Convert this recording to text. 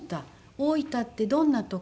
大分ってどんなとこ？